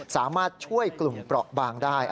สามารถช่วยกลุ่มเปราะบางได้